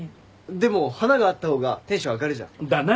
でも花があった方がテンション上がるじゃん。だな。